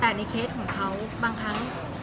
แต่ในเคสของเขาบางครั้ง